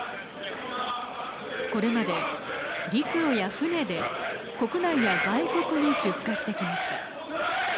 これまで、陸路や船で国内や外国に出荷してきました。